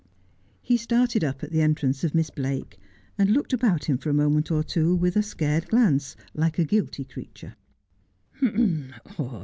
He started up at the entrance of Miss Blake, and looked about Dora Blake Asks a Question. 99 him for a moment or two, with a scared glance, like a guilty creature.